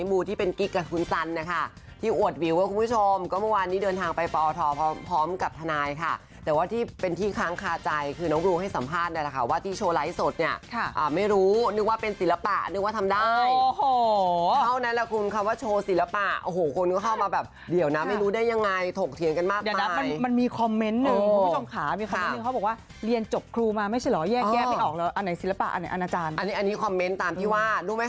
รู้ไม่คะน้องรูตอบอะไรรู้ไหมคะ